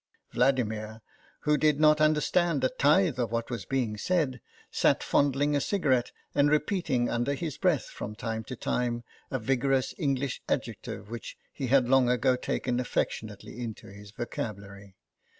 Vladimir, who did not understand a tithe of what was being said, sat fondling a cigarette and repeating under his breath from time to time a vigorous THE BAG 83 English adjective which he had long ago taken affectionately into his vocabulary.